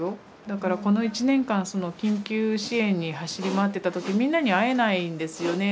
だからこの１年間緊急支援に走り回ってた時みんなに会えないんですよね。